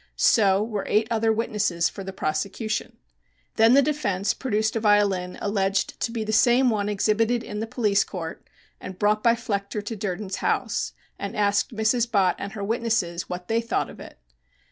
So were eight other witnesses for the prosecution. Then the defense produced a violin alleged to be the same one exhibited in the police court and brought by Flechter to Durden's house, and asked Mrs. Bott and her witnesses what they thought of it.